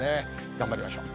頑張りましょう。